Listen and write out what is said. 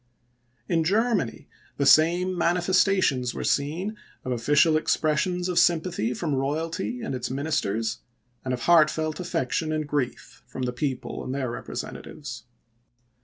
In Germany the same manifestations were seen of official expressions of sympathy from royalty and its ministers, and of heartfelt affection and grief from the people and their representatives.